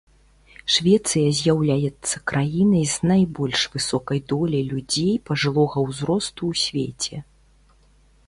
Швецыя з'яўляецца краінай з найбольш высокай доляй людзей пажылога ўзросту ў свеце.